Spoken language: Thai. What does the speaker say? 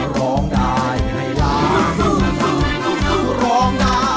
ร้องได้ให้ล้าน